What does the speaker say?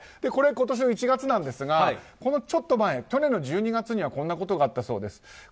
これ今年の１月なんですがこれのちょっと前、去年の１２月にはこんなことがあったそうです。